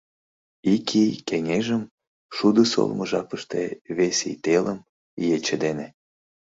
Ик ий — кеҥежым, шудо солымо жапыште, вес ий — телым, ече дене.